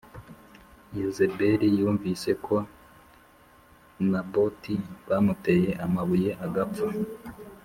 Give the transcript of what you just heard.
Yezebeli yumvise ko Naboti bamuteye amabuye agapfa